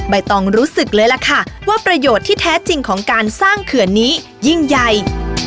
ใบตองรู้สึกเลยล่ะค่ะว่าประโยชน์ที่แท้จริงของการสร้างเขื่อนนี้ยิ่งใหญ่